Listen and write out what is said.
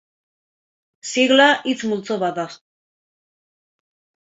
Sigla hitz multzo bat da.